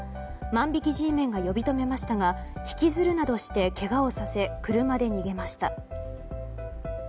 万引きＧメンが呼び止めましたが引きずるなどして、けがをさせ車で逃げました。